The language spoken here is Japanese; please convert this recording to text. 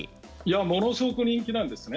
ものすごく人気なんですね。